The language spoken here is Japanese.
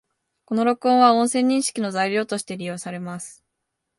この録音は、音声認識の材料として利用されます